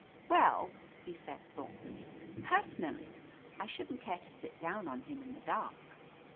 Well," he said thoughtfully, "personally, I shouldn't care to sit down on him in the dark."